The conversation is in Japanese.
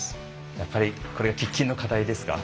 やっぱりこれが喫緊の課題ですか？